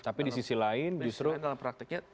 tapi di sisi lain justru dalam praktiknya